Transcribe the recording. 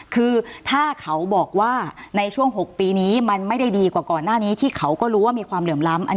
คือถ้าเขาบอกว่าในช่วง๖ปีนี้มันไม่ได้ดีกว่าก่อนหน้านี้ที่เขาก็รู้ว่ามีความเหลื่อมล้ำ